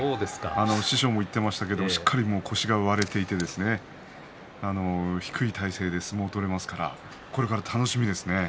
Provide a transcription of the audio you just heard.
師匠も言っていましたけどしっかり腰が割れていて低い体勢で相撲が取れますからこれから楽しみですね。